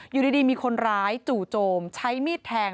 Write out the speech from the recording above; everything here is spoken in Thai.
อยู่ดีมีคนร้ายจู่โจมใช้มีดแทง